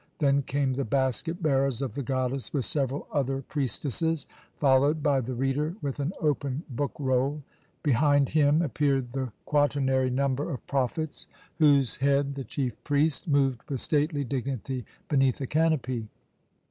Then came the basket bearers of the goddess with several other priestesses, followed by the reader with an open book roll. Behind him appeared the quaternary number of prophets, whose head, the chief priest, moved with stately dignity beneath a canopy.